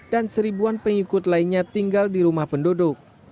dan seribuan pengikut lainnya tinggal di rumah penduduk